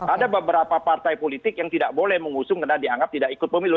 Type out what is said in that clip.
ada beberapa partai politik yang tidak boleh mengusung karena dianggap tidak ikut pemilu